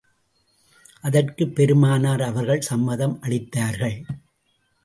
அதற்குப் பெருமானார் அவர்கள் சம்மதம் அளித்தார்கள்.